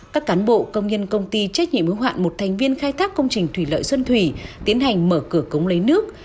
các cán bộ công nhân công ty trách nhiệm ứng hoạn một thành viên khai thác công trình thủy lợi xuân thủy tiến hành mở cửa cống lấy nước